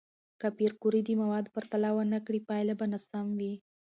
که پېیر کوري د موادو پرتله ونه کړي، پایله به ناسم وي.